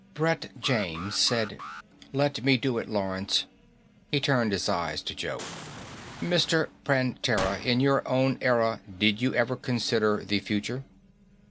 Brett James said, "Let me do it, Lawrence." He turned his eyes to Joe. "Mr. Prantera, in your own era, did you ever consider the future?"